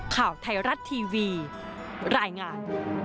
ข่าวไทยรัฐทีวีรายงาน